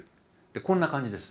こんな感じです。